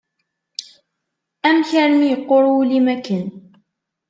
Amek armi yeqqur wul-im akken?